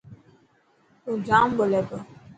تون جام ٻولي تو.